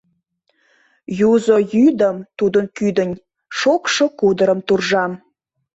Юзо йӱдым тудын кӱдынь Шокшо кудырым туржам.